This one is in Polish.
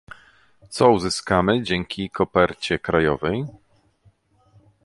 Co uzyskamy dzięki kopercie krajowej?